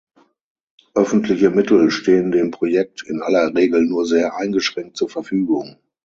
Öffentliche Mittel stehen dem Projekt in aller Regel nur sehr eingeschränkt zur Verfügung.